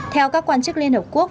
theo các quan chức liên hợp quốc